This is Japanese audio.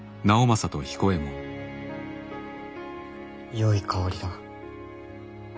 よい香りだ。